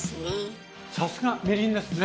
さすがみりんですね！